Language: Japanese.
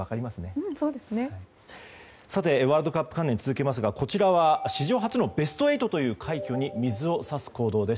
ワールドカップ関連を続けますがこちらは史上初のベスト８という快挙に水を差す行動です。